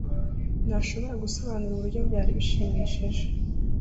ntashobora gusobanura uburyo byari bishimishije